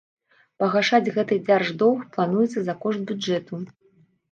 Пагашаць гэты дзярждоўг плануецца за кошт бюджэту.